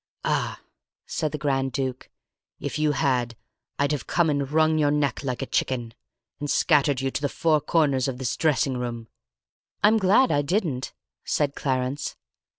"Ah," said the Grand Duke, "if you had, I'd have come and wrung your neck like a chicken, and scattered you to the four corners of this dressing room." "I'm glad I didn't," said Clarence.